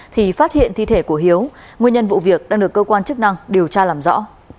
thì phát hiện thi thể của hiếu nguyên nhân vụ việc đang được cơ quan chức năng điều tra làm rõ